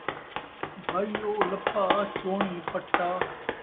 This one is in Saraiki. بھائیولپا، چوݨیں پٹا